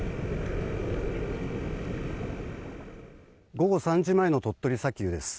午後３時前の鳥取砂丘です。